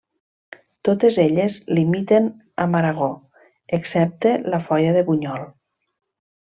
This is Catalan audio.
Totes elles limiten amb Aragó, excepte la Foia de Bunyol.